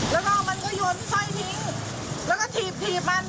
แล้วก็มันก็หยวนไฟทิ้งแล้วก็ถีบมัน